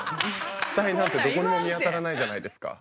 死体なんてどこにも見当たらないじゃないですか。